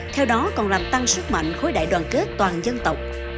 theo đó còn làm tăng sức mạnh khối đại đoàn kết toàn dân tộc